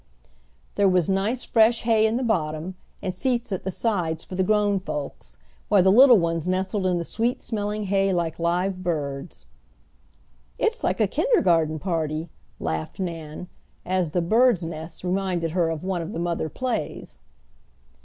There was nice fresh hay in the bottom, and seats at the sides for the grown folks, while the little ones nestled in the sweet smelling hay like live birds. "It's like a kindergarten party," laughed Nan, as the "birds' nests" reminded her of one of the mother plays.